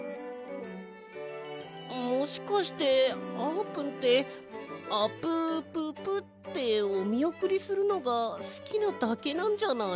もしかしてあーぷんってあぷぷぷっておみおくりするのがすきなだけなんじゃない？